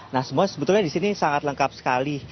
nah semua sebetulnya di sini sangat lengkap sekali